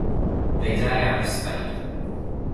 They die out of spite.